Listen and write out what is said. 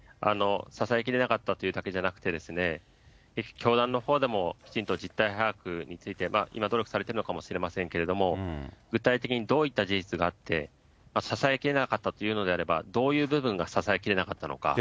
支えきれなかったというだけじゃなくて、教団のほうでもきちんと実態把握について、今、努力されているのかもしれませんけれども、具体的にどういった事実があって、支えきれなかったというのであれば、どういう部分が支えきれなかったのか。